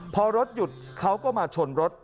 พอรถหยุดเขาก็มาชนรถ